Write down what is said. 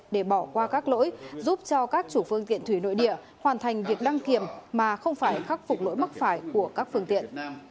để bỏ qua các lỗi giúp cho các chủ phương tiện thủy nội địa hoàn thành việc đăng kiểm mà không phải khắc phục lỗi mắc phải của các phương tiện